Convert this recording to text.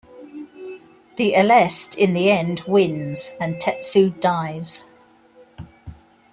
The Aleste, in the end, wins and Tetsu dies.